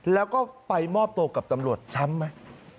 แล้วก็ไปมอบตัวกับตำรวจช้ำไหม